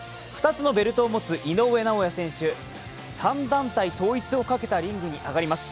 ２つのベルトを持つ井上尚弥選手三団体統一をかけたリングに上がります。